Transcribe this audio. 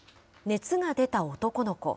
熱が出た男の子。